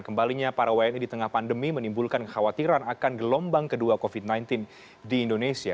kembalinya para wni di tengah pandemi menimbulkan kekhawatiran akan gelombang kedua covid sembilan belas di indonesia